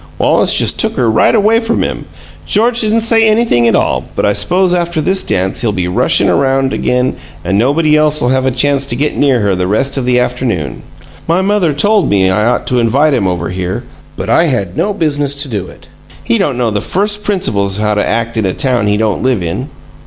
Wallace just took her right away from him. George didn't say anything at all, but I s'pose after this dance he'll be rushin' around again and nobody else 'll have a chance to get near her the rest of the afternoon. My mother told me I ought to invite him over here, out I had no business to do it; he don't know the first principles of how to act in a town he don't live in!"